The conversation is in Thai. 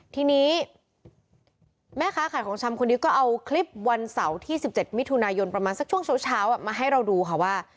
ทีนี้แม่ค้าขายของชำคนนี้ก็เอาคลิปวันเสาร์ที่๑๗มิถุนายนประมาณสักช่วงเช้ามาให้เราดูค่ะว่า